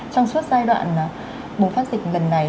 trong suốt giai đoạn bùng phát dịch gần này